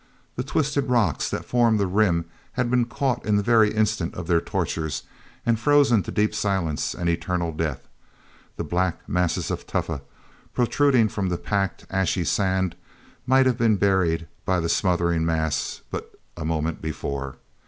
The twisted rocks that formed the rim had been caught in the very instant of their tortures and frozen to deep silence and eternal death: the black masses of tufa, protruding from the packed ashy sand might have been buried by the smothering mass but a moment before.